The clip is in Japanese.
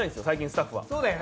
最近、スタッフは。